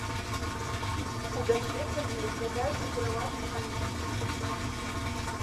У даследаванні разглядаюцца пераважна яны.